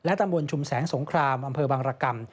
ตำบลชุมแสงสงครามอำเภอบางรกรรม